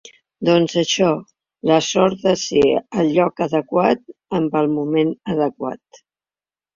Doncs això, la sort de ser al lloc adequat en el moment adequat.